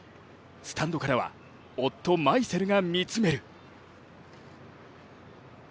スタンドからは夫・マイセルが見つめる。